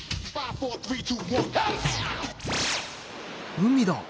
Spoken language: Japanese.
海だ。